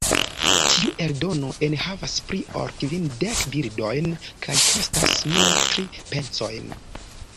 Tiu eldono enhavas pli ol kvindek bildojn kaj kostas nur tri pencojn.